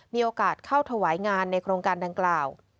มีโอกาสเข้าถวายงานในโครงการดังกล่าว